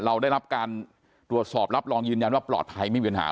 เราได้รับการตรวจสอบรับรองยืนยันว่าปลอดภัยไม่มีปัญหา